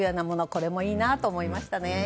これもいいなと思いましたね。